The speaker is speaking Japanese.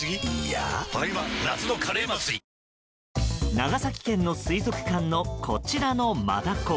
長崎県の水族館のこちらのマダコ。